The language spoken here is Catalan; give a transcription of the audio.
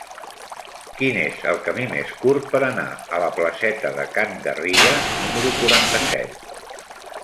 Quin és el camí més curt per anar a la placeta de Can Garriga número quaranta-set?